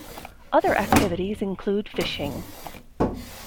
Other activities include fishing.